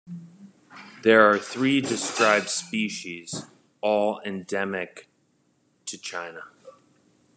There are three described species, all endemic to China.